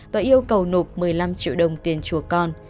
và yêu cầu nộp một mươi năm triệu đồng tiền chùa con